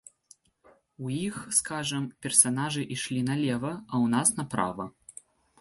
У іх, скажам, персанажы ішлі налева, а ў нас направа.